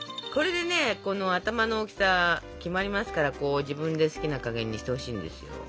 これでねこの頭の大きさ決まりますから自分で好きな加減にしてほしいんですよ。